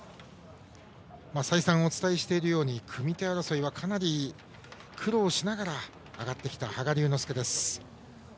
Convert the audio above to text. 再三、お伝えしているように組み手争いはかなり苦労しながら上がってきた羽賀龍之介です。